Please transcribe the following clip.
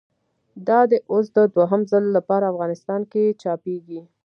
دا دی اوس د دوهم ځل له پاره افغانستان کښي چاپېږي.